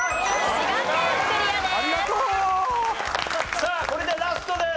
さあこれでラストです。